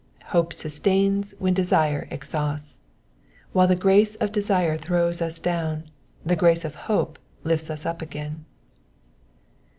'' Hope sustains when desire exhausts. While the grace of desire throws us down, the grace of hope lifts us up again.